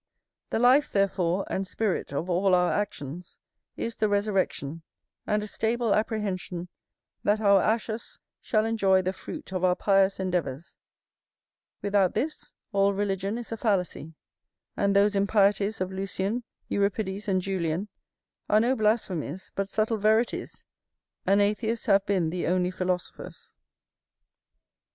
The life, therefore, and spirit of all our actions is the resurrection, and a stable apprehension that our ashes shall enjoy the fruit of our pious endeavours; without this, all religion is a fallacy, and those impieties of Lucian, Euripides, and Julian, are no blasphemies, but subtile verities; and atheists have been the only philosophers.